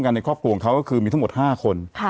ในครอบครัวของเขาก็คือมีทั้งหมด๕คน